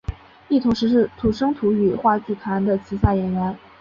亦同时是土生土语话剧团的旗下演员。